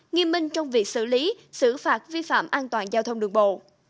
nên trong việc xử lý xử phạt vi phạm an toàn giao thông đường bộ